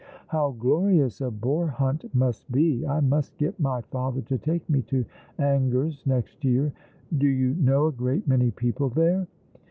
"How glorious a boar hunt must be! I must get my father to take me to Angers next year. Do you know a great many people there